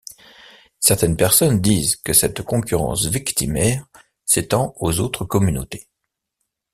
Certaines personnes disent que cette concurrence victimaire s'étend aux autres communautés.